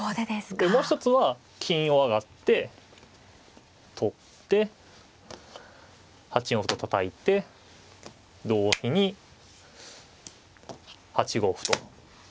でもう一つは金を上がって取って８四歩とたたいて同飛に８五歩と打つ。